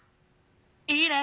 いいね！